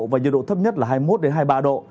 và nhiệt độ thấp nhất là hai mươi một hai mươi ba độ